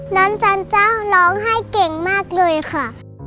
จันเจ้าร้องไห้เก่งมากเลยค่ะ